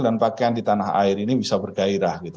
pakaian di tanah air ini bisa bergairah gitu